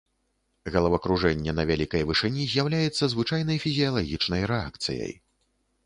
Галавакружэнне на вялікай вышыні з'яўляецца звычайнай фізіялагічнай рэакцыяй.